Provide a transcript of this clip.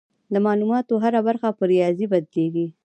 د معلوماتو هره برخه په ریاضي بدلېږي.